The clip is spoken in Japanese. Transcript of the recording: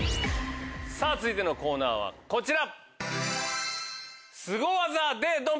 さぁ続いてのコーナーはこちら。